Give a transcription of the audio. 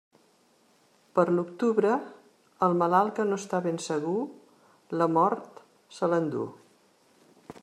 Per l'octubre, el malalt que no està ben segur, la mort se l'enduu.